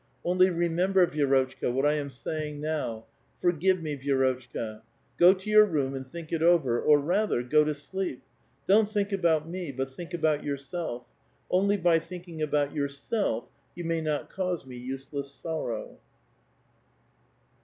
Onlv remember, Vi^rotchka, what I am ^^yiixg now. Forgive me, Vi^rotchka. Go to your room and ttiink it over, or, rather, go to sleep. Don't think about me, ■^*it think about youi'self. Only by thinking about yourself . you may not cause me useless sorrow."